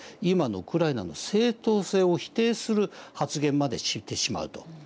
今のウクライナの正当性を否定する発言までしてしまうと。